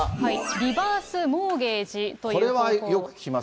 リバースモーゲージという方法。